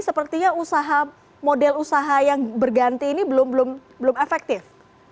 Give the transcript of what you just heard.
sepertinya usaha model usaha yang berganti ini belum efektif